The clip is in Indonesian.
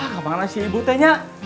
gapang nasi ibu tehnya